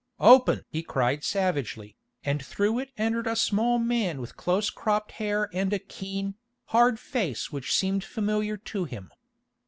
"Open!" he cried savagely, and through it entered a small man with close cropped hair and a keen, hard face which seemed familiar to him.